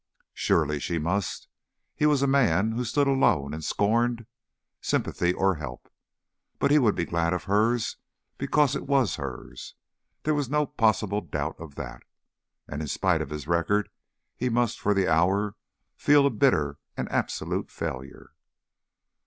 Surely she must. He was a man who stood alone and scorned sympathy or help, but he would be glad of hers because it was hers; there was no possible doubt of that. And in spite of his record he must for the hour feel a bitter and absolute failure.